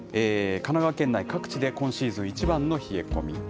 神奈川県内、各地で今シーズン一番の冷え込み。